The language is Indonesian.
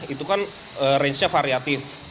itu kan rangenya variatif